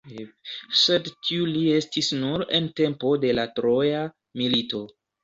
Sed tiu li estis nur en tempo de la Troja milito.